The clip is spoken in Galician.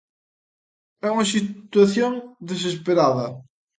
É unha situación desesperada.